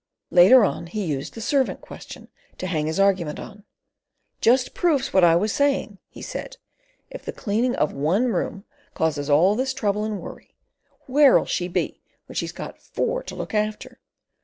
Later on he used the servant question to hang his argument on. "Just proves what I was saying" he said. "If the cleaning of one room causes all this trouble and worry, where'll she be when she's got four to look after?